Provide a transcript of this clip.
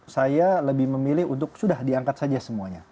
saya lebih memilih untuk sudah diangkat saja semuanya